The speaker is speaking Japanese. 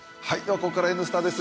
ここからは「Ｎスタ」です。